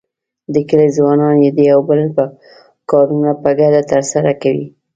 د کلي ځوانان د یو او بل کارونه په ګډه تر سره کوي.